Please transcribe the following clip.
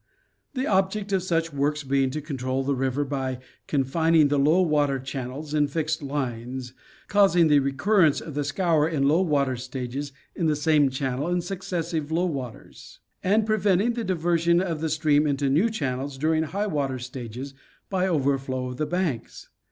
The object of such works being to control the river by confining the low water channels in fixed lines, causing the recur rence of the scour in low water stages in the same channel in suc cessive low waters ; and preventing the diversion of the stream into new channels during high water stages by overflow of the banks.